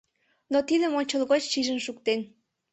Но тидым ончылгоч шижын шуктен.